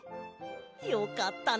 よかったな！